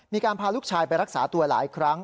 มีการพาลูกชายไปรักษาตัวหลายครั้ง